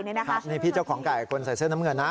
นี่พี่เจ้าของไก่คนใส่เสื้อน้ำเงินนะ